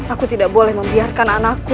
aku tidak boleh membiarkan anakku